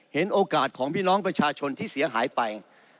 โอกาสของพี่น้องประชาชนที่เสียหายไป